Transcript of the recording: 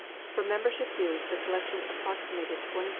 From membership dues the collections approximated $24,500,000.